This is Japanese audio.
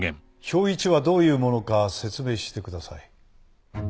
表１はどういうものか説明してください。